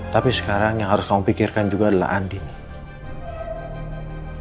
tapi sekarang yang harus kamu pikirkan juga adalah andina